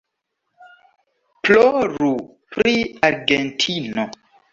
Ploru pri Argentino!